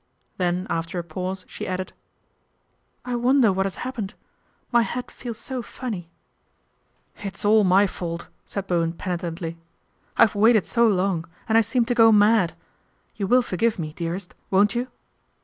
Then after a pause she added, " I wonder what has happened. My head feels so funny." " It's all my fault," said Bowen penitently. " I've waited so long, and I seemed to go mad. You will forgive me, dearest, won't you